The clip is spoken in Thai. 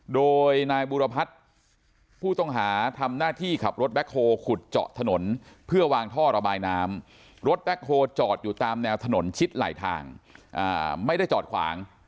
โดยนายบุรพัฒน์ผู้ต้องหาทำหน้าที่ขับรถแบ็คโฮลขุดเจาะถนนเพื่อวางท่อระบายน้ำรถแบ็คโฮลจอดอยู่ตามแนวถนนชิดไหลทางไม่ได้จอดขวาง